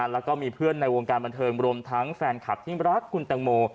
แล้วก็มีเพื่อนในวงการบันเทิงรวมทั้งแฟนคลับที่รักคุณตังโม